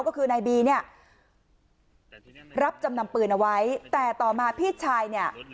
ก็คือนายบีเนี่ยรับจำนำปืนเอาไว้แต่ต่อมาพี่ชายเนี่ย